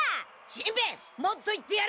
しんべヱもっと言ってやれ！